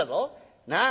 なあ。